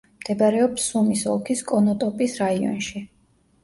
მდებარეობს სუმის ოლქის კონოტოპის რაიონში.